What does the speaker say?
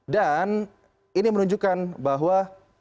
dan ini menunjukkan bahwa